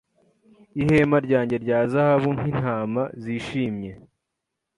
ihema ryanjye rya zahabu nkintama zishimye